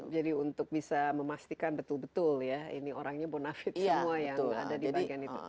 jadi untuk bisa memastikan betul betul ya ini orangnya bonafit semua yang ada di bagian itu